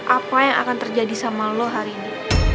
apa yang akan terjadi sama lo hari ini